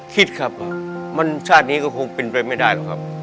คิดครับมันชาตินี้ก็คงเป็นไปไม่ได้หรอกครับ